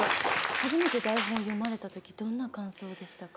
初めて台本を読まれた時どんな感想でしたか？